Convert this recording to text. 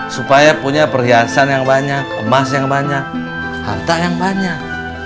supaya punya perhiasan yang banyak emas yang banyak harta yang banyak